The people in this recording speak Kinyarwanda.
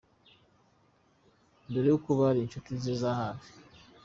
dore ko bari inshuti ze za hafi.